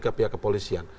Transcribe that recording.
ke pihak kepolisian